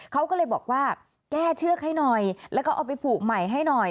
เขาก็เลยบอกว่าแก้เชือกให้หน่อยแล้วก็เอาไปผูกใหม่ให้หน่อย